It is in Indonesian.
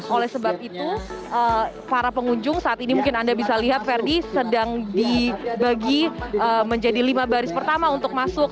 oleh sebab itu para pengunjung saat ini mungkin anda bisa lihat ferdi sedang dibagi menjadi lima baris pertama untuk masuk